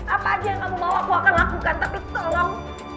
apa aja yang kamu mau akan lakukan tapi tolong